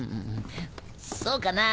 そうかなぁ。